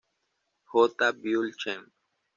J Biol Chem.